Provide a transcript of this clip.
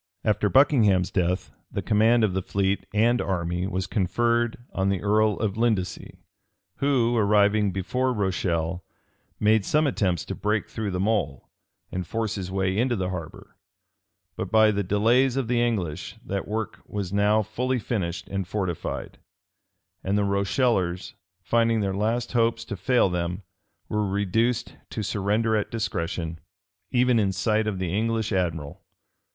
After Buckingham's death, the command of the fleet and army was conferred on the earl of Lindesey; who, arriving before Rochelle, made some attempts to break through the mole, and force his way into the harbor: but by the delays of the English, that work was now fully finished and fortified; and the Rochellers, finding their last hopes to fail them, were reduced to surrender at discretion, even in sight of the English admiral.